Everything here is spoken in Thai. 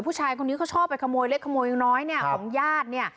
ผู้ชายคนนี้เขาชอบไปขโมยเล็กขโมยน้อยเนี่ยของญาติเนี่ย